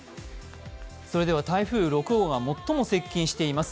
それでは台風６号が最も接近しています